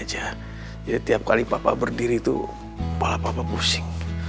iya jadi tiap kali papa berdiri itu kepala papa pusing